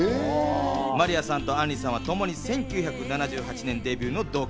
まりやさんと杏里さんはともに１９７８年デビューの同期。